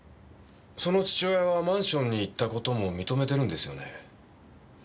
その父親はマンションに行った事も認めてるんですよね？